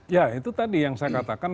ya itu tadi yang saya katakan